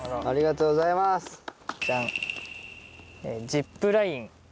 ありがとうございます。